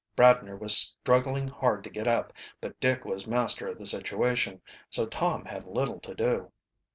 Bradner was struggling hard to get up, but Dick was master of the situation, so Tom had little to do.